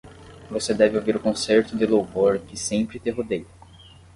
Você deve ouvir o concerto de louvor que sempre te rodeia!